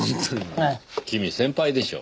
君先輩でしょう。